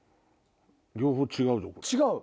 両方違うぞこれ。